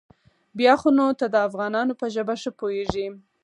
بيا خو نو ته د افغانانو په ژبه ښه پوېېږې.